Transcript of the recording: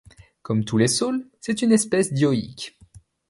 Comme tous les saules, c'est une espèce dioïque.